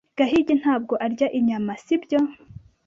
Gahigi ntabwo arya inyama, sibyo?